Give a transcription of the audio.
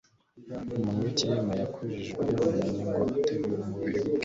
Umuntu w’ikirema wakijijwe yarunamye ngo aterure uburiri bwe